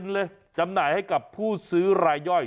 เลยจำหน่ายให้กับผู้ซื้อรายย่อย